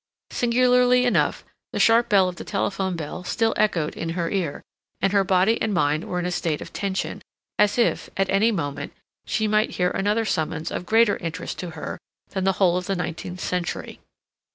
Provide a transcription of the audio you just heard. Singularly enough, the sharp call of the telephone bell still echoed in her ear, and her body and mind were in a state of tension, as if, at any moment, she might hear another summons of greater interest to her than the whole of the nineteenth century.